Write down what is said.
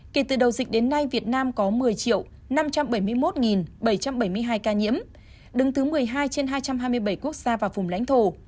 kể từ đầu dịch đến nay việt nam có một mươi năm trăm bảy mươi một bảy trăm bảy mươi hai ca nhiễm đứng thứ một mươi hai trên hai trăm hai mươi bảy quốc gia và vùng lãnh thổ